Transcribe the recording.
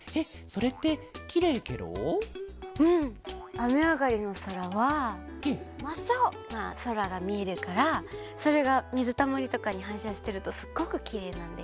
あめあがりのそらはまっさおなそらがみえるからそれがみずたまりとかにはんしゃしてるとすっごくきれいなんだよ。